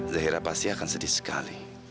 zahira pasti akan sedih sekali